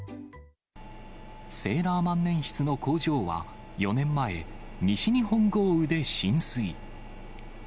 セーラー万年筆の工場は、４年前、西日本豪雨で浸水。